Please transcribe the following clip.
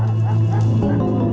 aku mau ke rumah